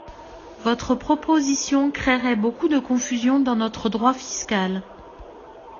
Votre proposition créerait beaucoup de confusion dans notre droit fiscal.